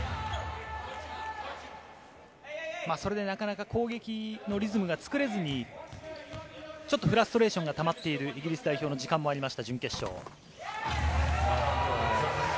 それでなかなか攻撃のリズムが作れずにフラストレーションがたまっているイギリス代表の時間もありました準決勝。